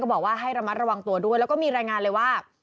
บอกว่าให้ระมัดระวังตัวด้วยแล้วก็มีรายงานเลยว่า